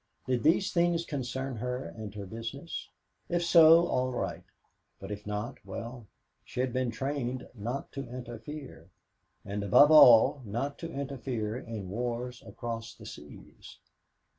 Did these things concern her and her business? If so, all right; but if not, well, she'd been trained not to interfere; and, above all, not to interfere in wars across the seas.